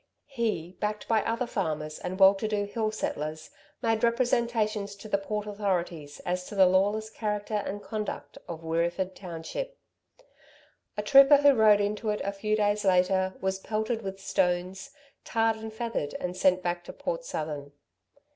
He, backed by other farmers and well to do hill settlers, made representations to the Port authorities as to the lawless character and conduct of Wirreeford township. A trooper who rode into it a few days later was pelted with stones, tarred and feathered, and sent back to Port Southern.